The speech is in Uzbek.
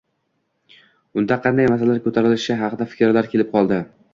unda qanday masalalar ko‘tarilishi haqida fikrlar kelib qoldi.